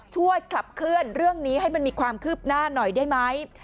ช่วยขับเคลื่อนเรื่องนี้ให้มันมีความคืบหน้าหน่อยได้ไหม